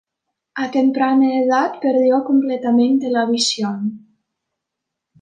A temprana edad perdió completamente la visión.